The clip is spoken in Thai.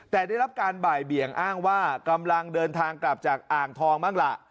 แต่ได้รับการบ่ายเบี่ยงอ้างว่ากำลังเดินทางกลับจากอ่างทองบ้างล่ะ